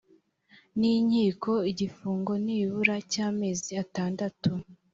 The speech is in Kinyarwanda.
n inkiko igifungo nibura cy amezi atandatu